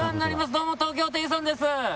どうも東京ホテイソンです。